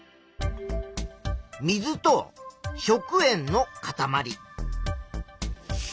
水と食塩のかたまり。